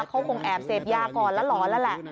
เขาคงแอบเสพยาก่อนแล้วหลอนแล้วแหละ